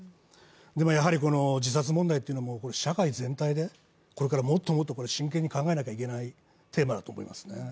やはり自殺問題というのは社会全体でもっともっと真剣に考えなきゃいけないテーマだと思います。